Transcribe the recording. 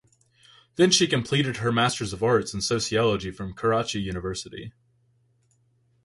Then she completed her Masters of Arts in Sociology from Karachi University.